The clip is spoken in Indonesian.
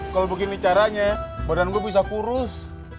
kalau begini caranya badan gue bisa kurus